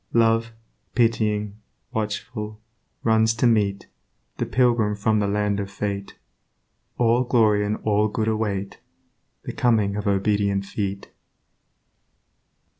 Love, pitying, watchful, runs to meet The Pilgrim from the Land of Fate; All glory and all good await The coming of obedient feet.